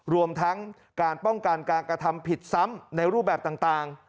รวมทั้งการป้องกันการกระทำผิดซ้ำในรูปแบบต่าง